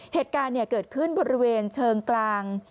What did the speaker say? เหตุการณ์เกิดขึ้นบริเวณเชิงกลาง